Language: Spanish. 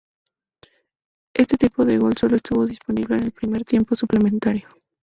Este tipo de gol sólo estuvo disponible en el primer tiempo suplementario.